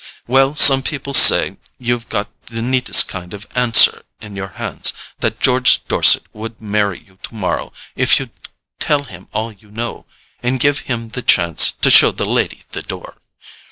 —Well, some people say you've got the neatest kind of an answer in your hands: that George Dorset would marry you tomorrow, if you'd tell him all you know, and give him the chance to show the lady the door.